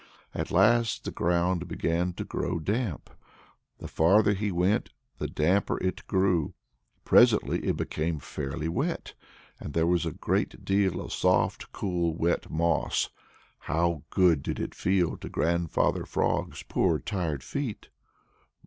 At last the ground began to grow damp. The farther he went, the damper it grew. Presently it became fairly wet, and there was a great deal of soft, cool, wet moss. How good it did feel to Grandfather Frog's poor tired feet!